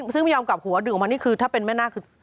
ซึ่งยอมกลับหัวดื่มออกมานี่คือถ้าเป็นแม่นาคศ